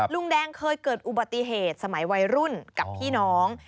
ลุงแดงเคยเกิดอุบัติเหตุสมัยวัยรุ่นกับพี่น้อง